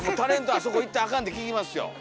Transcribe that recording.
あそこ行ったらあかんって聞きますよ。